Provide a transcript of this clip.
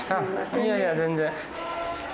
いやいや全然。